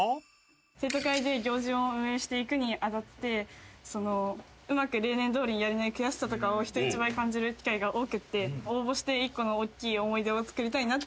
生徒会で行事を運営していくに当たってうまく例年どおりにやれない悔しさとかを人一倍感じる機会が多くて応募して１個の大きい思い出をつくりたいなって。